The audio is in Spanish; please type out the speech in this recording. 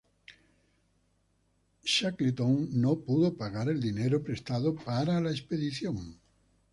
Shackleton no pudo pagar el dinero prestado para la expedición.